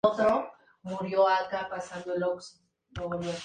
San Emerico es considerado un santo virgen, puro como pocos.